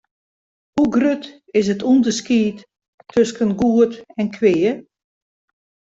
Hoe grut is it ûnderskied tusken goed en kwea?